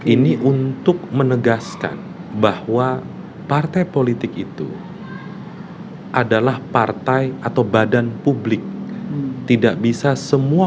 ini untuk menegaskan bahwa partai politik itu adalah partai atau badan publik tidak bisa semua